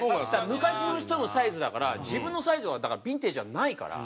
昔の人のサイズだから自分のサイズはだからヴィンテージはないから。